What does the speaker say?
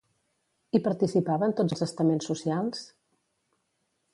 Hi participaven tots els estaments socials?